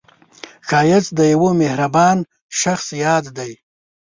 ښایست د یوه مهربان شخص یاد دی